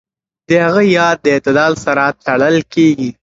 د هغه ياد د اعتدال سره تړل کېږي.